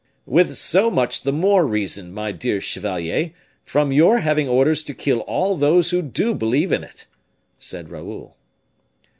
"With so much the more reason, my dear chevalier, from your having orders to kill all those who do believe in it," said Raoul.